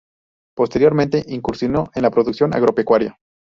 Posteriormente incursionó en la producción agropecuaria.